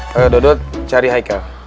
pak dodot cari haikal